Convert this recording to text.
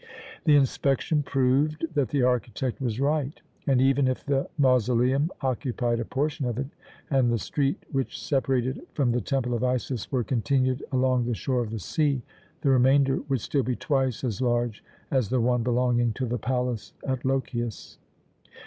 The inspection proved that the architect was right and, even if the mausoleum occupied a portion of it, and the street which separated it from the Temple of Isis were continued along the shore of the sea, the remainder would still be twice as large as the one belonging to the palace at Lochias.